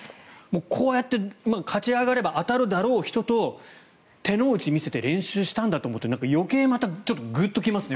こうやって勝ち上がれば当たるだろう人と手の内を見せて練習したんだと思うと余計にグッと来ますね。